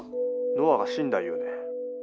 ノアが死んだ言うねん。